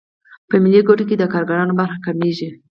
په ملي ګټو کې د کارګرانو برخه کمېږي